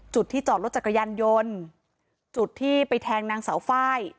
จุดที่จอดรถจักรยานยนต์จุดที่ไปแทงนางสาวไฟล์